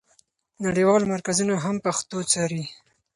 نړیوال مرکزونه هم پښتو څاري.